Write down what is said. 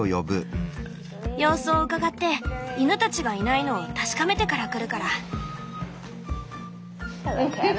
様子をうかがって犬たちがいないのを確かめてから来るから。